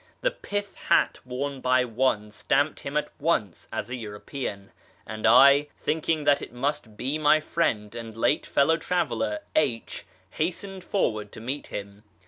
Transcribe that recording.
The pith hat worn by one stamped him at once as a European, and I, thinking that it must be my friend and late fellow traveller, H , hastened forward to meet him.